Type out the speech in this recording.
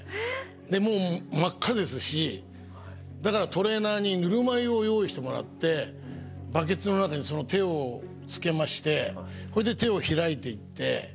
もう真っ赤ですしだからトレーナーにぬるま湯を用意してもらってバケツの中にその手をつけましてこれで手を開いていって。